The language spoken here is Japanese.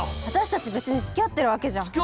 私たち別に付き合ってるわけじゃ。